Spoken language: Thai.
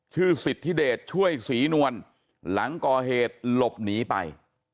สิทธิเดชช่วยศรีนวลหลังก่อเหตุหลบหนีไป